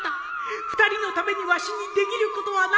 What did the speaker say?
２人のためにわしにできることはないのか？